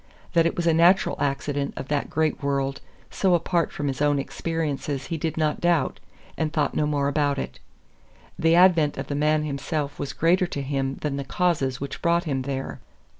That it was a natural accident of that great world so apart from his own experiences he did not doubt, and thought no more about it. The advent of the man himself was greater to him than the causes which brought him there.